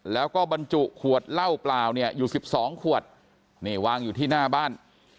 แล้วก็บรรจุขวดเหล้าเปล่าเนี่ยอยู่๑๒ขวดนี่วางอยู่ที่หน้าบ้าน